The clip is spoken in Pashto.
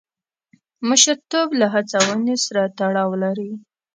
مشرتوب له هڅونې سره تړاو لري.